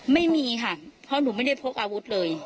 ไม่มีค่ะเพราะหนูไม่ได้พกอาวุธเลย